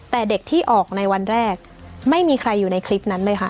แต่เด็กที่ออกในวันแรกไม่มีใครอยู่ในคลิปนั้นเลยค่ะ